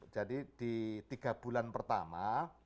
jadi di tiga bulan pertama